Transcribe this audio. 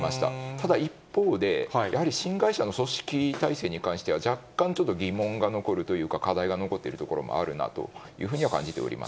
ただ一方で、やはり新会社の組織体制に関しては、若干、ちょっと疑問が残るというか、課題が残っているところもあるなというふうには感じております。